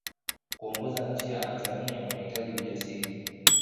kuongoza nchi ya anzania kunahitaji ujasiri